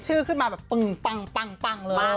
ชื่อขึ้นมาแบบปึงปังเลย